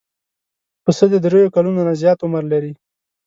پسه د درېیو کلونو نه زیات عمر لري.